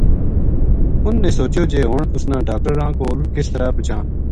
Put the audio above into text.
اِنھ نے سوچیو جے ہن اس نا ڈاکٹراں کول کس طرح پوہچاں